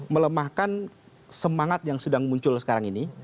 melemahkan semangat yang sedang muncul sekarang ini